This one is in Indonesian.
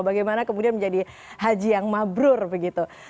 bagaimana kemudian menjadi haji yang mabrur begitu